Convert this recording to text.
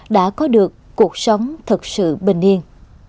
đã có được cuộc sống thật sự bình yên